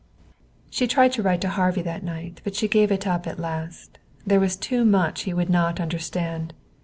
_" She tried to write to Harvey that night, but she gave it up at last. There was too much he would not understand.